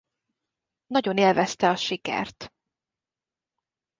Nagyon élvezte a sikert.